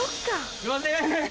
すいません